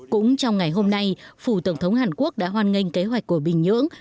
cũng trong ngày hôm nay phủ tổng thống hàn quốc đã hoàn ngành kế hoạch của bình nhưỡng